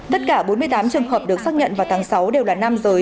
tất cả bốn mươi tám trường hợp được xác nhận vào tháng sáu đều là nam giới